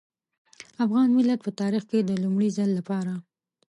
افغان ملت په تاريخ کې د لومړي ځل لپاره.